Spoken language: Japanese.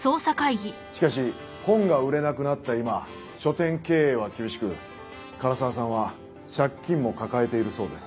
しかし本が売れなくなった今書店経営は厳しく唐沢さんは借金も抱えているそうです。